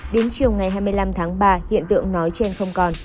đến chiều ngày hai mươi năm tháng ba hiện tượng nói trên không còn